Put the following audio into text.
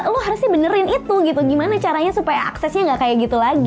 lo harusnya benerin itu gitu gimana caranya supaya aksesnya gak kayak gitu lagi